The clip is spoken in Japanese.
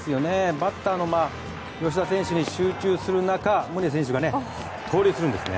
バッターの吉田選手に集中する中宗選手が盗塁するんですね。